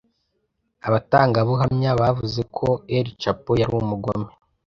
abatangabuhamya bavuze ko El Chapo yari umugome